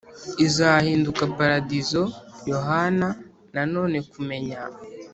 Izahinduka paradizo yohana nanone kumenya